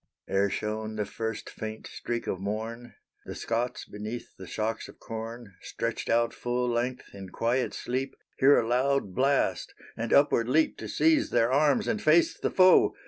Ere shone the first faint streak of morn, The Scots beneath the shocks of corn, Stretched out full length in quiet sleep, Hear a loud blast, and upward leap To seize their arms and face the foe.